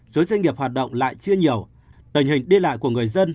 số doanh nghiệp hoạt động lại chưa nhiều tình hình đi lại của người dân